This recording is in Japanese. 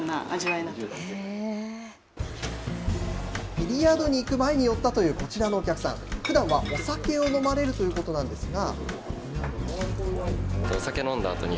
ビリヤードに行く前に寄ったというこちらのお客さん、ふだんはお酒を飲まれるということなんですが。